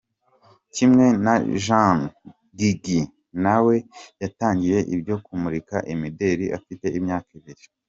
Kimwe na Jenner, Gigi na we yatangiye ibyo kumurika imideli afite imyaka ibiri.